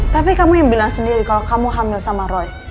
tapi kamu yang bilang sendiri kalau kamu hamil sama roy